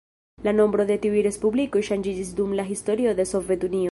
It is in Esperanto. La nombro de tiuj respublikoj ŝanĝiĝis dum la historio de Sovetunio.